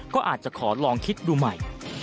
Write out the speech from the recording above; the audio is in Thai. ก็อาจจะขอลองคิดดูใหม่